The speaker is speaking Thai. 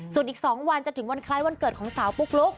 ส่วนอีก๒วันจะถึงวันคล้ายวันเกิดของสาวปุ๊กลุ๊ก